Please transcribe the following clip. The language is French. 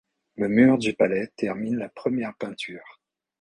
Le mur du palais termine la première peinture.